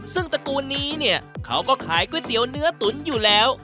ซึ่งตระกูลนี้เนี่ยเขาก็ขายก๋วยเตี๋ยวเนื้อตุ๋นอยู่แล้ว